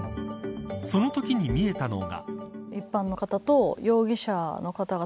そのときに見えたのが。